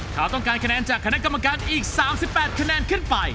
เขาต้องการคะแนนจากคณะกรรมการอีก๓๘คะแนนขึ้นไป